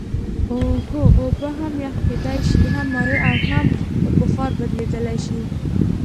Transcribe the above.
هو اوبه هم یخ کیدای شي هم مایع او هم په بخار بدلیدلی شي